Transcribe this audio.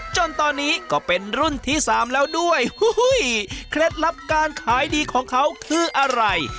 จนตอนนี้ก็เป็นรุ่นที่สามแล้วด้วยเคล็ดลับการขายดีของเขาคืออะไร